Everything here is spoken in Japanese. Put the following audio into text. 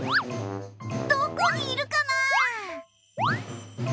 どこにいるかな？